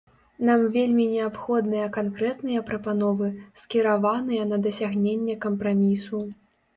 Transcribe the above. Нам вельмі неабходныя канкрэтныя прапановы, скіраваныя на дасягненне кампрамісу.